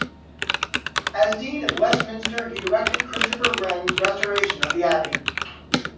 As dean of Westminster he directed Christopher Wren's restoration of the abbey.